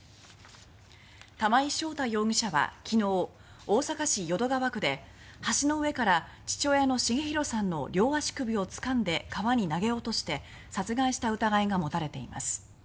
玉井将太容疑者は昨日大阪市淀川区で橋の上から父親の重弘さんの両足首をつかんで川に投げ落として殺害した疑いが持たれています。